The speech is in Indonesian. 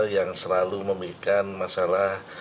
yang selalu memberikan masalah